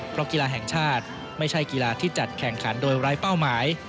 เพราะกีฬาแห่งชาติไม่ใช่กีฬาที่จัดแข่งขันโดยไร้เป้าหมาย